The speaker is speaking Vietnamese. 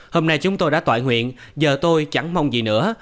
hôm nay chúng tôi đã tọa nguyện giờ tôi chẳng mong gì nữa